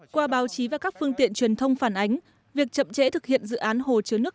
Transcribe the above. qua báo chí và các phương tiện truyền thông phản ánh việc chậm trễ thực hiện dự án hồ chứa nước